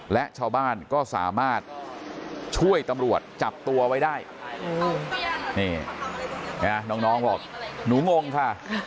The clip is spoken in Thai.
และชาวบ้านก็สามารถช่วยตำรวจจับตัวไว้ได้นี่น้องบอกหนูงงค่ะ